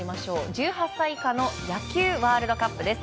１８歳以下の野球ワールドカップです。